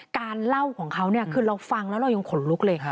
การเล่าของเขาเนี่ยคือเราฟังแล้วเรายังขนลุกเลย